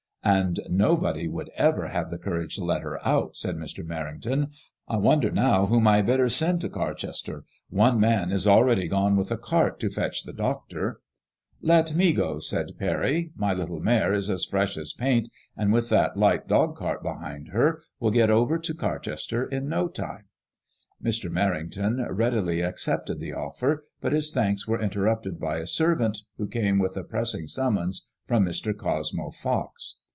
*^ And nobody would ever have the courage to let her out," said Mr. Merrington. " I wonder now whom I had better send to Car chester. One man is already gone with the cart to fetch the doctor." '^ LfCt me go," said Parry. My little mare is as fresh as paint, and with that light dog N MADEMOISELLE IXE. 1 65 cart behind her will get over to Carchester in no time.'* Mr. Merrington readily ac cepted the o£fer, but his thanks were interrupted by a servant who came with a pressing sum mons from Mr. Cosmo Fox.